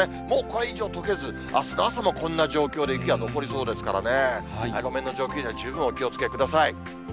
もうこれ以上とけず、あすの朝もこんな状況で雪が残りそうですからね、路面の状況には十分にお気をつけください。